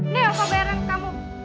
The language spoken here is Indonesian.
nih aku bayaran kamu